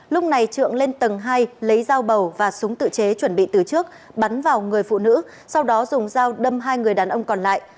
lúc này trượng lên tầng hai lấy dao bầu và súng tự chế chuẩn bị từ trước bắn vào người phụ nữ sau đó dùng dao đâm hai người đàn ông còn lại